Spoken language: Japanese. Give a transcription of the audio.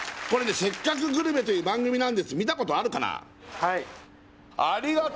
これね「せっかくグルメ！！」という番組なんです見たことあるかな？